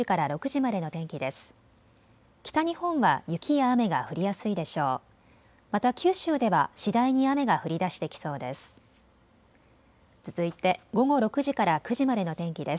また九州では次第に雨が降りだしてきそうです。